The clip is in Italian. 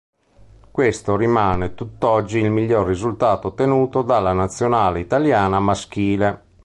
Questo rimane tutt'oggi il miglior risultato ottenuto dalla nazionale italiana maschile.